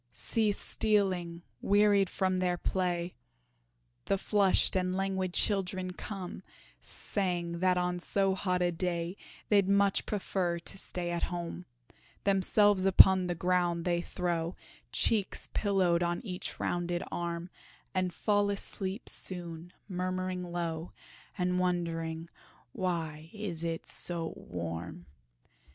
See stealing, wearied from their play, The flushed and languid children come, Saying that on so hot a day They'd much prefer to stay at home. Themselves upon the ground they throw, Cheeks pillowed on each rounded arm And fall asleep soon, murmuring low, And wondering "why it is so warm?"